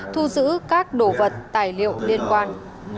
thu giữ các đồ vật tài liệu liên quan